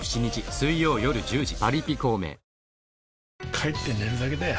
帰って寝るだけだよ